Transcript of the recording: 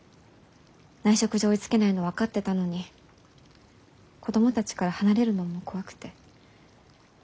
内職じゃ追いつけないの分かってたのに子供たちから離れるのも怖くて。